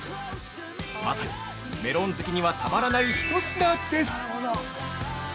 まさにメロン好きにはたまらない一品です。